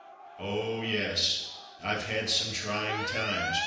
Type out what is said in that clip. Oh yes, I've had some trying times, believe me